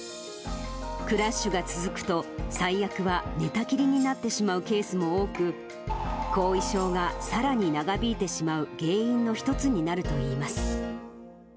クラッシュが続くと、最悪は寝たきりになってしまうケースも多く、後遺症がさらに長引いてしまう原因の一つになるといいます。